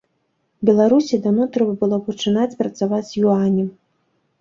Беларусі даўно трэба было пачынаць працаваць з юанем.